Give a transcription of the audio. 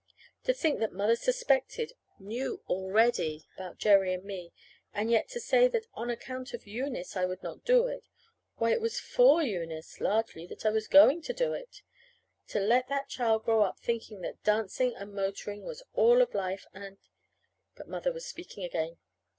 To think that Mother suspected knew already about Jerry and me; and yet to say that on account of Eunice I would not do it. Why, it was for Eunice, largely, that I was going to do it. To let that child grow up thinking that dancing and motoring was all of life, and But Mother was speaking again.